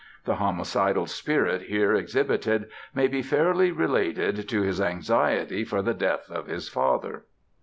The homicidal spirit here exhibited may be fairly related to his anxiety for the death of his father.